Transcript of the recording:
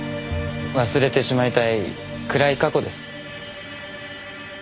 忘れてしまいたい暗い過去です。